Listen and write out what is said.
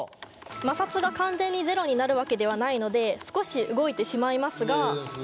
摩擦が完全にゼロになるわけではないので少し動いてしまいますが。